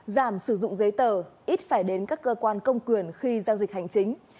giảm sử dụng giấy tờ ít phải đến các cơ quan công quyền khi giao dịch hành chính